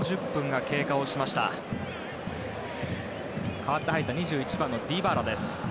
代わって入った２１番のディバラ。